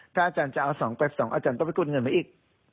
ถ้าอาจารย์จะเอาสองแปดสองอาจารย์ก็ไปกดเงินไปอีก